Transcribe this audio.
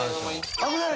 危ない！